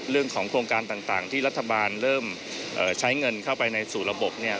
เรื่องของการต่างที่รัฐบาลเริ่มใช้เงินเข้าไปในสู่ระบบเนี่ย